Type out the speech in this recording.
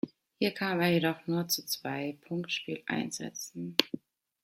Hier kam er jedoch nur zu zwei Punktspieleinsätzen.